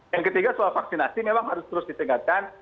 yang ketiga soal vaksinasi memang harus terus ditingkatkan